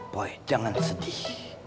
boy jangan sedih